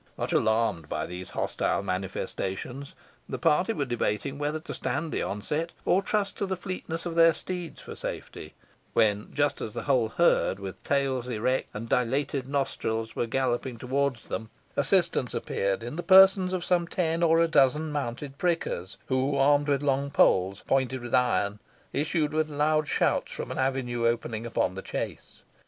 Much alarmed by these hostile manifestations, the party were debating whether to stand the onset, or trust to the fleetness of their steeds for safety; when just as the whole herd, with tails erect and dilated nostrils, were galloping towards them, assistance appeared in the persons of some ten or a dozen mounted prickers, who, armed with long poles pointed with iron, issued with loud shouts from an avenue opening upon the chase.